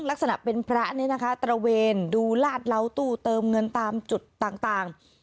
ลักษณะเป็นพระเนี่ยนะคะตระเวนดูลาดเหล้าตู้เติมเงินตามจุดต่าง